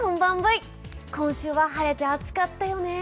今週は晴れて暑かったね。